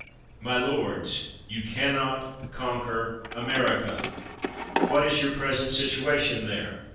My lords, you can not conquer America. What is your present situation there?